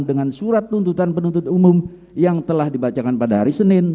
dengan surat tuntutan penuntut umum yang telah dibacakan pada hari senin